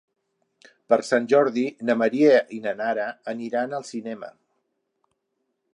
Per Sant Jordi na Maria i na Nara aniran al cinema.